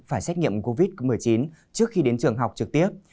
phải xét nghiệm covid một mươi chín trước khi đến trường học trực tiếp